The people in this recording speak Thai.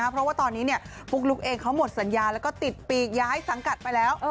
เพราะว่าตอนนี้ปุ๊กลุ๊กเองเขาหมดสัญญาแล้วก็ติดปีกย้ายสังกัดไปแล้ว